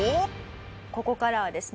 ここからはですね